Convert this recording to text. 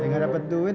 yang gak dapet duit